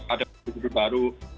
ada bukti baru